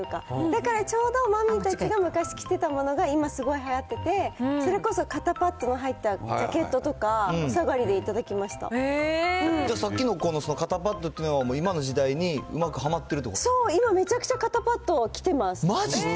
だからちょうどマミーたちが昔着ていたものが今すごいはやってて、それこそ、肩パッドの入ったジャケットとか、おさがりで頂きました。さっきの子たちの肩パッドは今の時代にうまくはまってるってそう、今、めちゃくちゃ肩パッドはやってます。